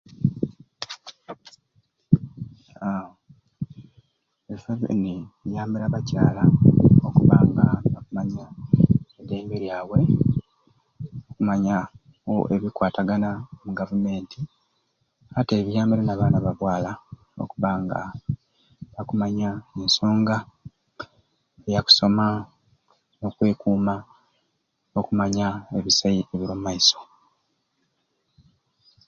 Aa ebifo bini biyambire abakyala okubba nga bakumanya eddembe lyabwe okumanya ku ebikukwatagana ne Gavumenti ate ni biyambire abaana ba bwala okubba nga bakumanya ensonga ya kusoma n'okwekuuma okumanya ebisai ebiri omu maiso.